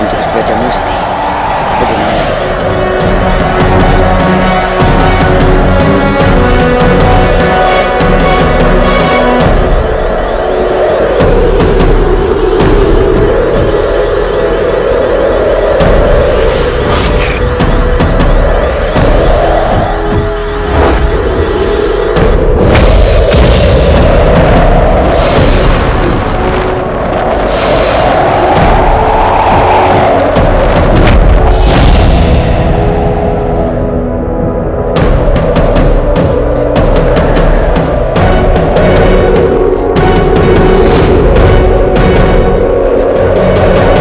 terus memberkati melrome di alarm lines